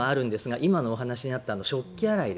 今のお話にあった食器洗い